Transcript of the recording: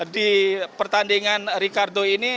di pertandingan ricardo ini